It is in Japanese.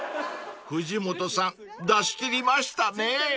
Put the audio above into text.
［藤本さん出し切りましたね］